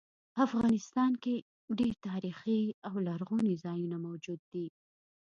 افغانستان کې ډیر تاریخي او لرغوني ځایونه موجود دي